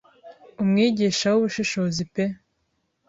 Umwigisha w'ubushishozi pe